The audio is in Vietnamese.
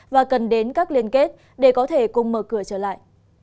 và cần đến các liên kết để có thể cùng mở cửa trở lại